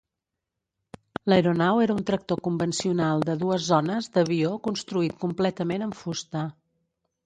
L'aeronau era un tractor convencional de dues zones d'avió construït completament amb fusta.